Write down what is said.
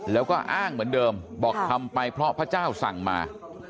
แล้วก็อ้างเหมือนเดิมบอกทำไปเพราะพระเจ้าสั่งมา